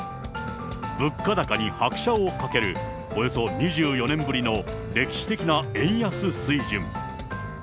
物価高に拍車をかける、およそ２４年ぶりの歴史的な円安水準。